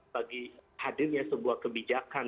bagi hadirnya sebuah kebijakan